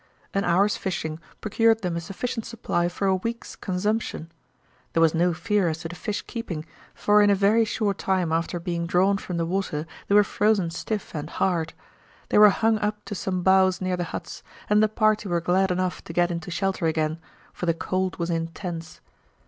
An hour's fishing procured them a sufficient supply for a week's consumption. There was no fear as to the fish keeping, for in a very short time after being drawn from the water they were frozen stiff and hard. They were hung up to some boughs near the huts, and the party were glad enough to get into shelter again, for the cold was intense.